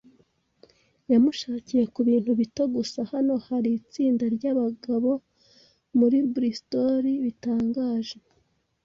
yamushakiye kubintu bito gusa. Hano hari itsinda ryabagabo muri Bristol bitangaje